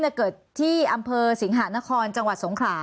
เกิดที่อำเภอสิงหานครจังหวัดสงขลา